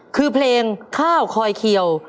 คือเพลงข้าวคอยเขียว